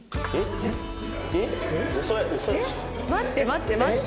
えっ待って待って待って。